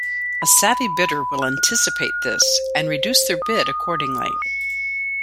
A savvy bidder will anticipate this, and reduce their bid accordingly.